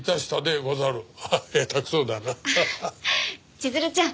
千鶴ちゃん